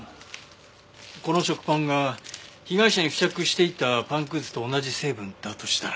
この食パンが被害者に付着していたパンくずと同じ成分だとしたら。